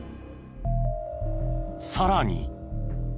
さらに。